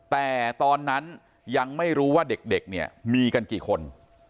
แต่ตอนนั้นยังไม่รู้ว่าเด็กเนี่ยมีกันกี่คน